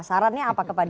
sarannya apa kepada